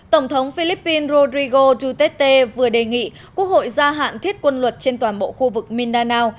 tổng thống philippines rodrigo duterte vừa đề nghị quốc hội gia hạn thiết quân luật trên toàn bộ khu vực mindanao